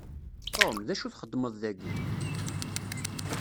Tom, d acu txedmeḍ dagi?